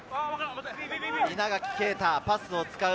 稲垣啓太、パスを使う。